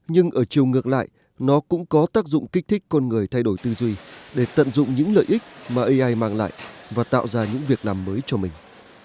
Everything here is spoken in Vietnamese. nhưng ở chiều ngược lại nó cũng có tác dụng kích thích con người thay đổi tư duy để tận dụng những lợi ích mà ai mang lại và tạo ra những việc làm mới cho mình